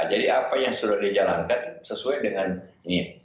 jadi apa yang sudah dijalankan sesuai dengan ini